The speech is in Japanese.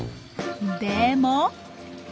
でも。